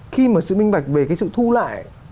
khi mà sự minh bạch về sự thu lại